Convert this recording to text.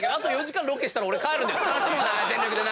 楽しもうな全力でな。